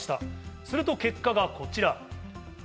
すると結果がこちら。